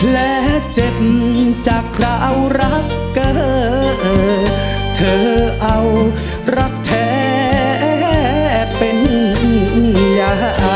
และเจ็บจากคราวรักเกอร์เธอเธอเอารักแท้เป็นยา